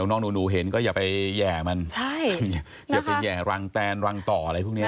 น้องหนูเห็นก็อย่าไปแห่มันใช่อย่าไปแห่รังแตนรังต่ออะไรพวกนี้